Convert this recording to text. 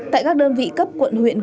tại các đơn vị cấp quận huyện